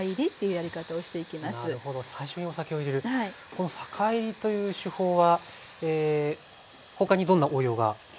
この酒いりという手法は他にどんな応用ができますか？